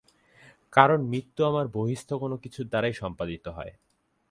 কারণ মৃত্যু আমার বহিঃস্থ কোন কিছুর দ্বারা সম্পাদিত হয়।